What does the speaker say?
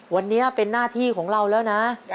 วันนี้เป็นหน้าที่ของเราแล้วนะ